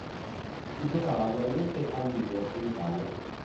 Si giocava annualmente a Lugo in Italia.